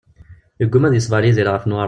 Yeggumma ad yeṣber Yidir ɣef Newwara.